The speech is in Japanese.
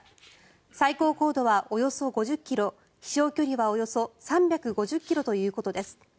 最高高度はおよそ５０ｋｍ飛翔距離はおよそ３５０ｋｍということです。